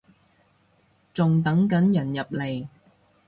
仲等緊人入嚟